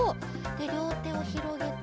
でりょうてをひろげて。